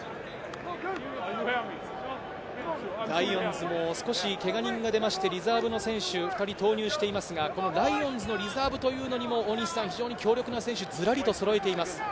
ライオンズも少しけが人が出ましてリザーブの選手を２人投入していますがライオンズのリザーブというのも非常に強力な選手をずらりとそろえています。